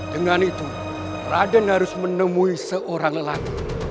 dengan itu raden harus menemui seorang lelaki